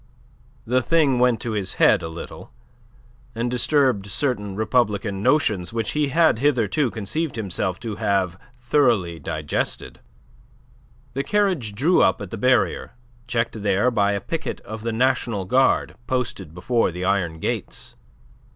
The thing went to his head a little, and disturbed certain republican notions which he had hitherto conceived himself to have thoroughly digested. The carriage drew up at the barrier, checked there by a picket of the National Guard posted before the iron gates.